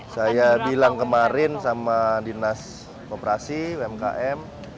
saya bilang kemarin sama dinas koperasi umkm